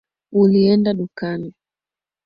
Ulienda dukani